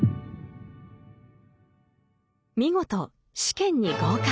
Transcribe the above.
見事試験に合格。